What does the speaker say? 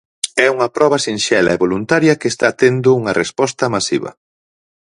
É unha proba sinxela e voluntaria que está tendo unha resposta masiva.